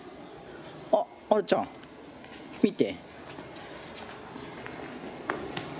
あっあるちゃん見て。